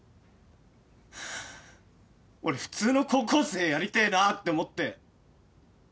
俺普通の高校生やりてえなって思って。